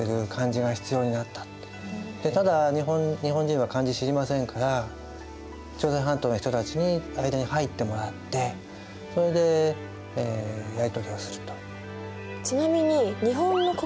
ただ日本人は漢字知りませんから朝鮮半島の人たちに間に入ってもらってそれでやり取りをすると。